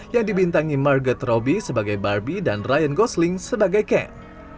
yang dibintangi marget robby sebagai barbie dan ryan gosling sebagai ken